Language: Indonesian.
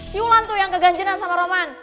si wulan tuh yang keganjiran sama roman